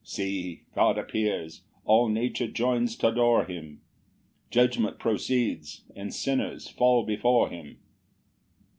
See, God appears; all nature joins t' adore him; Judgment proceeds, and sinners fall before him.